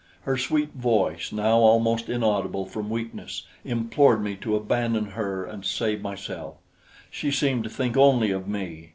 Her sweet voice, now almost inaudible from weakness, implored me to abandon her and save myself she seemed to think only of me.